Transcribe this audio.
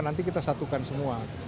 nanti kita satukan semua